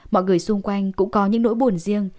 mọi người xung quanh cũng có những nỗi buồn riêng